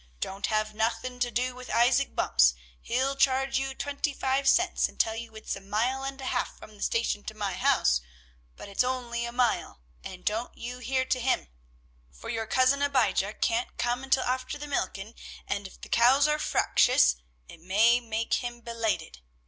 Don't have nothing to do with Isaac Bumps; he'll charge you twenty five cents, and tell you it's a mile and a half from the station to my house, but it's only a mile, and don't you hear to him, for your Cousin Abijah can't come until after the milking, and if the cows are fractious, it may make him belated.